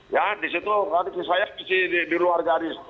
ya disitu saya masih di luar garis